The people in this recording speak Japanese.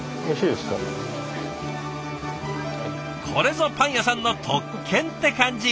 これぞパン屋さんの特権って感じ！